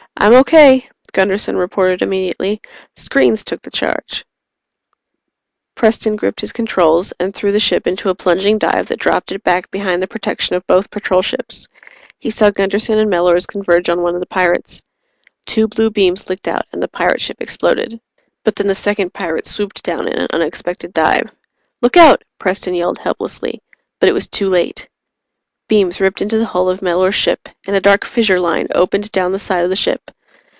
"I'm okay," Gunderson reported immediately. "Screens took the charge." Preston gripped his controls and threw the ship into a plunging dive that dropped it back behind the protection of both Patrol ships. He saw Gunderson and Mellors converge on one of the pirates. Two blue beams licked out, and the pirate ship exploded. But then the second pirate swooped down in an unexpected dive. "Look out!" Preston yelled helplessly but it was too late. Beams ripped into the hull of Mellors' ship, and a dark fissure line opened down the side of the ship.